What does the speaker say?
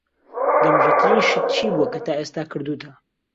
گەمژەترین شت چی بووە کە تا ئێستا کردووتە؟